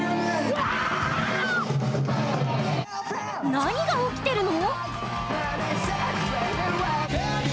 何が起きてるの？